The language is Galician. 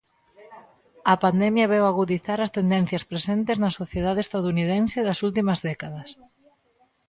A pandemia veu agudizar as tendencias presentes na sociedade estadounidense das últimas décadas.